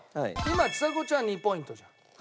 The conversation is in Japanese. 今ちさ子ちゃん２ポイントじゃん。